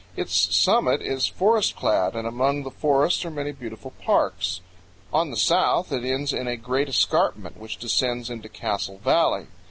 Its summit is forest clad and among the forests are many beautiful parks. On the south it ends in a great escarpment which descends into Castle Valley.